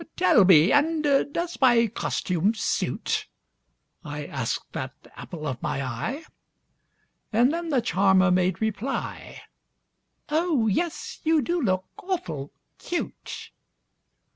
"Tell me and does my costume suit?" I asked that apple of my eye And then the charmer made reply, "Oh, yes, you do look awful cute!"